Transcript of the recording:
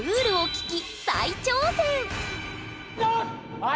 はい。